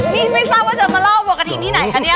นี่ไม่ทราบว่าจะมาเล่าบัวกระทิงที่ไหนคะเนี่ย